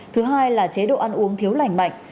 thứ hai là chế độ ăn uống thiếu lành mạnh